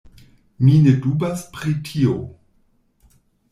Mi ne dubas pri tio.